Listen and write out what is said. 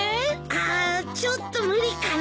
ああちょっと無理かな。